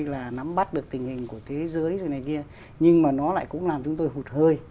là nắm bắt được tình hình của thế giới rồi này kia nhưng mà nó lại cũng làm chúng tôi hụt hơi